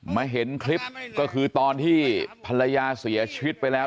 เห็นคลิปก็คือตอนที่ภรรยาเสียชีวิตไปแล้ว